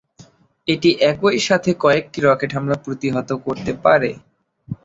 এটি একই সাথে কয়েকটি রকেট হামলা প্রতিহত করতে পারে।